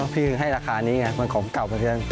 พี่คือให้ราคานี้ไงมันของเก่ามาเทียง